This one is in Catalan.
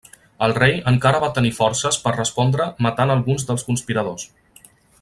El rei encara va tenir forces per respondre matant alguns dels conspiradors.